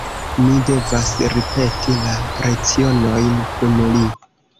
Mi devas ripeti la lecionojn kun li.